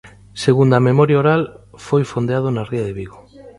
Segundo a memoria oral, foi fondeado na ría de Vigo.